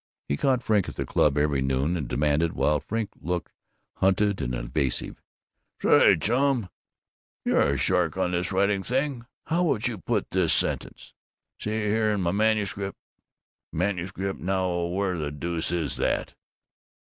He caught Frink at the club every noon, and demanded, while Frink looked hunted and evasive, "Say, Chum you're a shark on this writing stuff how would you put this sentence, see here in my manuscript manuscript now where the deuce is that?